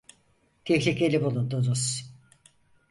Tehlikeli bulundunuz.